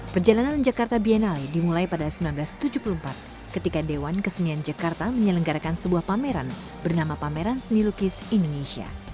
perjalanan jakarta biennale dimulai pada seribu sembilan ratus tujuh puluh empat ketika dewan kesenian jakarta menyelenggarakan sebuah pameran bernama pameran seni lukis indonesia